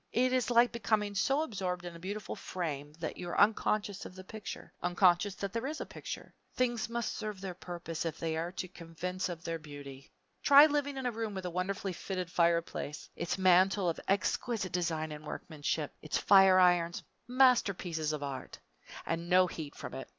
It is like becoming so absorbed in a beautiful frame that you are unconscious of the picture unconscious that there is a picture. Things must serve their purpose if they are to convince of their beauty. Try living in a room with a wonderfully fitted fireplace; its mantel of exquisite design and workmanship, its fire irons masterpieces of art and no heat from it!